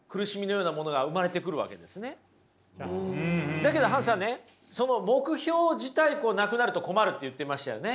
だけどハンさんねその目標自体なくなると困るって言ってましたよね？